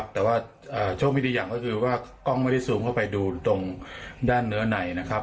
แต่ว่าโชคดีอย่างก็คือว่ากล้องไม่ได้ซูมเข้าไปดูตรงด้านเนื้อในนะครับ